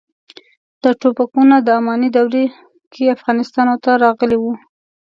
دا ټوپکونه د اماني دورې کې افغانستان ته راغلي وو.